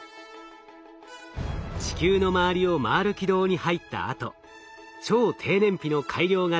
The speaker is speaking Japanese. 地球の周りを回る軌道に入ったあと超低燃費の改良型